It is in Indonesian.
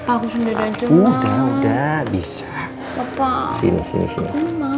aku sendirian udah bisa sini sini sini